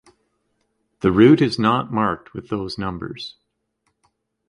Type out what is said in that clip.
The route is not marked with those numbers.